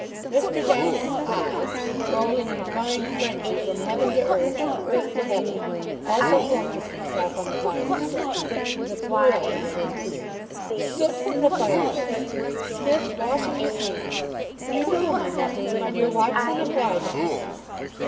Mr. Downing's eye, rolling in a fine frenzy from heaven to earth, from earth to heaven, also focussed itself on the pile of soot; and a thrill went through him. Soot in the fireplace! Smith washing his hands! ("You know my methods, my dear Watson. Apply them.")